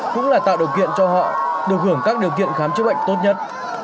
cũng là tạo điều kiện cho họ được hưởng các điều kiện khám chữa bệnh tốt nhất